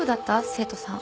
生徒さん。